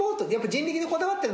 人力にこだわってる。